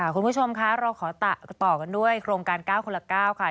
คุณผู้ชมคะเราขอต่อกันด้วยโครงการ๙คนละ๙ค่ะ